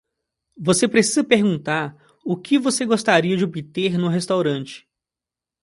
Você precisa perguntar o que você gostaria de obter no restaurante.